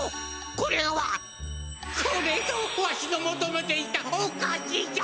これぞわしのもとめていたおかしじゃ！